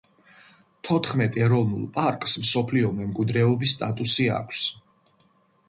თოთხმეტ ეროვნულ პარკს მსოფლიო მემკვიდრეობის სტატუსი აქვს.